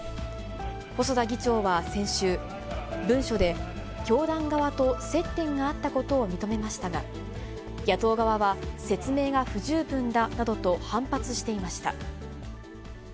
細田議長は先週、文書で教団側と接点があったことを認めましたが、野党側は説明が不十分だなどと反発していました。